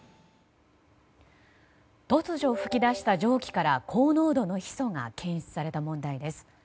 突如噴き出した蒸気から高濃度のヒ素が検出された問題です。